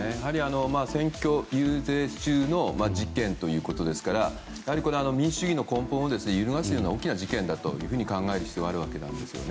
選挙遊説中の事件ということですからやはり、民主主義の根本を揺るがすような大きな事件だと考える必要があります。